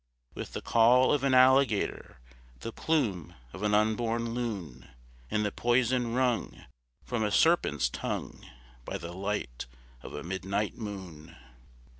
_With the caul of an alligator, The plume of an unborn loon, And the poison wrung From a serpent's tongue By the light of a midnight moon!